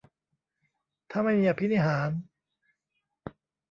ถ้าไม่มีอภินิหาร